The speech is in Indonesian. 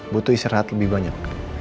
butuh istri rahat lebih banyak